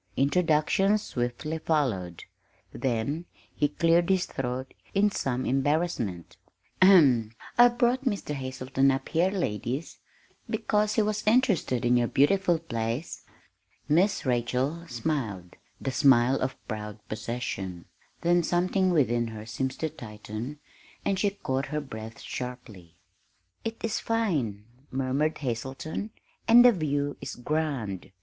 Introductions swiftly followed, then he cleared his throat in some embarrassment. "Ahem! I've brought Mr. Hazelton up here, ladies, because he was interested in your beautiful place." Miss Rachel smiled the smile of proud possession; then something within her seemed to tighten, and she caught her breath sharply. "It is fine!" murmured Hazelton; "and the view is grand!"